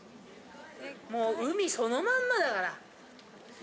もう海そのまんまだから。